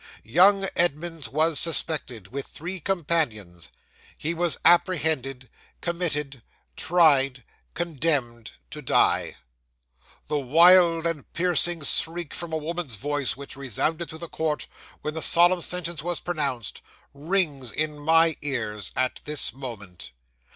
Young Edmunds was suspected, with three companions. He was apprehended committed tried condemned to die. 'The wild and piercing shriek from a woman's voice, which resounded through the court when the solemn sentence was pronounced, rings in my ears at this moment.